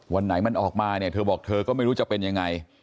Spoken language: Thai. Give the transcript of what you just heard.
วันไหนมันออกมาเนี่ยเธอบอกเธอก็ไม่รู้จะเป็นยังไง